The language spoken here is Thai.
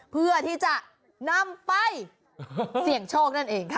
เพื่อที่จะนำไปเสี่ยงโชคนั่นเองค่ะ